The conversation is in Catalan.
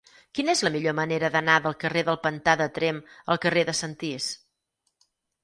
Quina és la millor manera d'anar del carrer del Pantà de Tremp al carrer de Sentís?